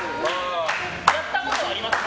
やったことありますか？